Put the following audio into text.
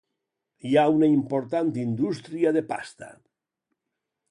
Hi ha una important indústria de pasta.